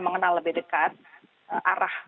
mengenal lebih dekat arah